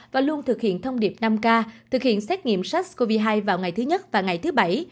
và luôn thực hiện thông điệp năm k thực hiện xét nghiệm sars cov hai vào ngày thứ nhất và ngày thứ bảy